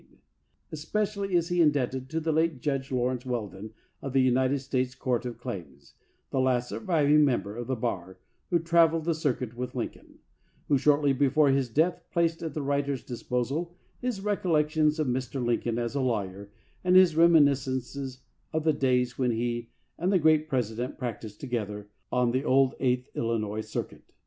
xvii FOREWORD Especially is he indebted to the late Judge Lawrence Weldon, of the United States Court of Claims (the last surviving member of the bar who traveled the circuit with Lincoln), who shortly before his death placed at the writer's dis posal his recollections of Mr. Lincoln as a lawyer and his reminiscences of the days when he and the great President practised together on the old Eighth Illinois Circuit.